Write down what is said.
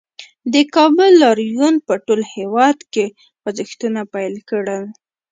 د کابل لاریون په ټول هېواد کې خوځښتونه پیل کړل